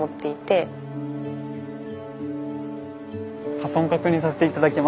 破損確認させて頂きます。